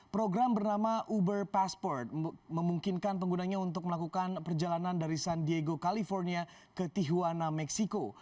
program bernama uber passport memungkinkan penggunanya untuk melakukan perjalanan dari san diego california ke tihuana meksiko